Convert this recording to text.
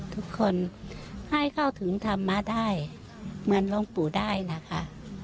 ทุกคนให้เข้าถึงธรรมะได้เหมือนหลวงปู่ได้นะคะ